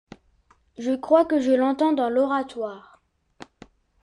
Je crois que je l'entends dans l'oratoire.